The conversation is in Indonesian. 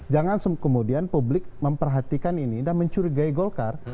jangan kemudian publik memperhatikan ini dan mencurigai golkar